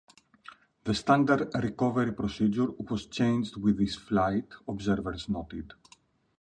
The standard recovery procedure was changed with this flight, observers noted.